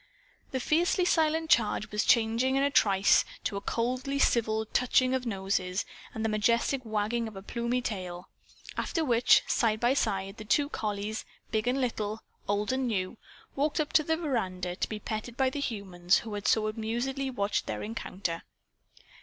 The fiercely silent charge was changed in a trice to a coldly civil touching of noses, and the majestic wagging of a plumy tail. After which, side by side, the two collies big and little old and new walked up to the veranda, to be petted by the humans who had so amusedly watched their encounter.